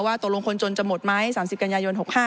ตกลงคนจนจะหมดไหม๓๐กันยายน๖๕